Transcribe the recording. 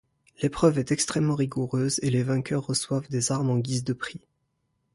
L’épreuve est extrêmement rigoureuse et les vainqueurs reçoivent des armes en guise de prix.